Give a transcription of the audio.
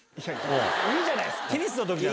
いいじゃないですか。